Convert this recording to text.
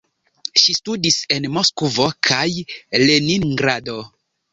Ŝi studis en Moskvo kaj Leningrado.